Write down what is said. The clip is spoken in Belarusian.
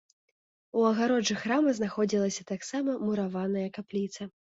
У агароджы храма знаходзілася таксама мураваная капліца.